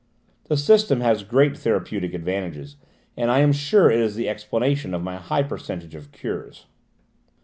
The system has great therapeutic advantages, and I am sure it is the explanation of my high percentage of cures."